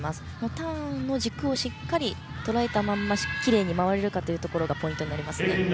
ターンの軸をしっかりとらえたままきれいに回れるかがポイントになりますね。